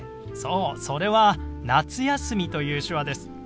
そうそれは「夏休み」という手話です。